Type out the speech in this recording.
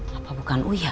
jangan akan uya